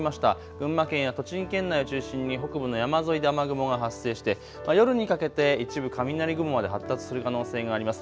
群馬県や栃木県内を中心に北部の山沿いで雨雲が発生して夜にかけて一部雷雲まで発達する可能性があります。